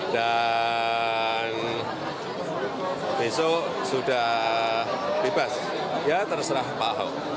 dan besok sudah bebas ya terserah pak ahok